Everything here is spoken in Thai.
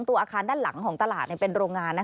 อาคารด้านหลังของตลาดเป็นโรงงาน